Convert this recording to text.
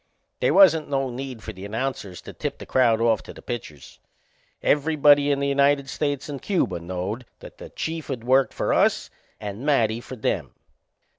They wasn't no need for the announcers to tip the crowd off to the pitchers. Everybody in the United States and Cuba knowed that the Chief'd work for us and Matty for them.